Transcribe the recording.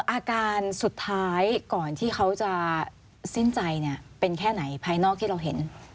อาการสุดท้ายก่อนที่เขาจะสิ้นใจเนี่ยเป็นแค่ไหนภายนอกที่เราเห็น